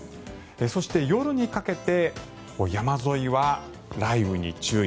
そして夜にかけて山沿いは雷雨に注意。